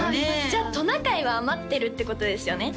じゃあトナカイは余ってるってことですよね？